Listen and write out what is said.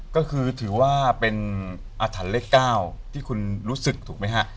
ก็คือถือว่าเป็นอาถรรพ์เลข๙ที่คุณรู้สึกถูกไหมฮะ